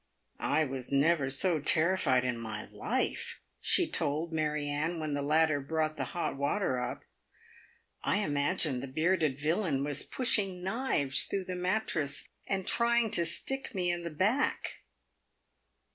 " I never was so terrified in my life," she told Mary Anne when the latter brought the hot water up. " I imagined the PAVED WITH GOLD. 271 bearded villain was pushing knives through the mattress and trying to stick me in the back."